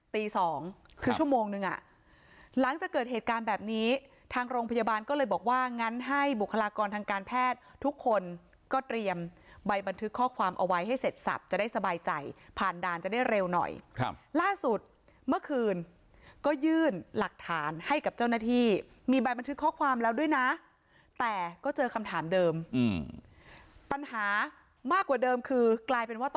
ตี๒คือชั่วโมงนึงหลังจะเกิดเหตุการณ์แบบนี้ทางโรงพยาบาลก็เลยบอกว่างั้นให้บุคลากรทางการแพทย์ทุกคนก็เตรียมใบบันทึกข้อความเอาไว้ให้เสร็จสับจะได้สบายใจผ่านด่านจะได้เร็วหน่อยล่าสุดเมื่อคืนก็ยื่นหลักฐานให้กับเจ้าหน้า